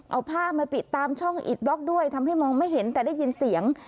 เอาผ้ามาปิดตามช่องอิดบล็อกด้วยทำให้มองไม่เห็นแต่ได้ยินเสียง